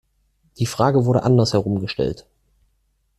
Die Frage wurde andersherum gestellt.